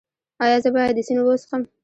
ایا زه باید د سیند اوبه وڅښم؟